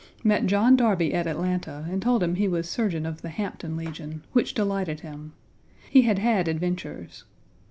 Met John Darby at Atlanta and told him he was Surgeon of the Hampton Legion, which delighted him. He had had adventures.